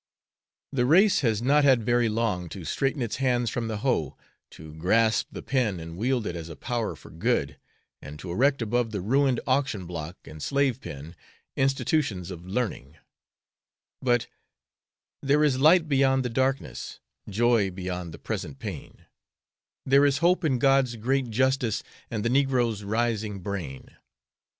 The race has not had very long to straighten its hands from the hoe, to grasp the pen and wield it as a power for good, and to erect above the ruined auction block and slave pen institutions of learning, but There is light beyond the darkness, Joy beyond the present pain; There is hope in God's great justice And the negro's rising brain.